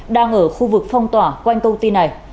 đang ở khu vực phong tỏa quanh công ty này